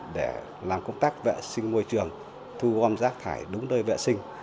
để làm công tác vệ sinh môi trường thu gom rác thải đúng nơi vệ sinh